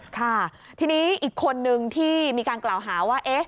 ค่ะทีนี้อีกคนนึงที่มีการกล่าวหาว่า